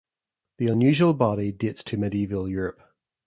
The unusual body dates to medieval Europe.